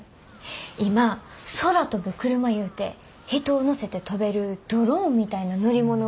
今空飛ぶクルマいうて人を乗せて飛べるドローンみたいな乗り物を開発してはるんです。